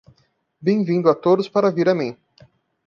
Bem-vindo a todos para vir a mim.